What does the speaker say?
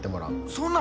そんな！